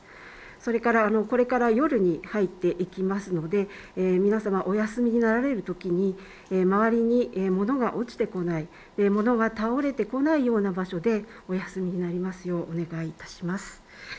それから、これから夜に入っていきますので皆様、お休みになられるときに周りに物が落ちてこない、物が倒れてこないような場所でお休みになりますようお願いいたします。